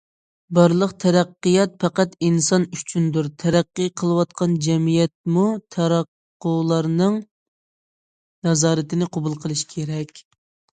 بارلىق تەرەققىيات پەقەت ئىنسان ئۈچۈندۇر، تەرەققىي قىلىۋاتقان جەمئىيەتمۇ تاراتقۇلارنىڭ نازارىتىنى قوبۇل قىلىشى كېرەك.